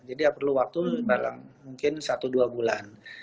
jadi perlu waktu dalam mungkin satu dua bulan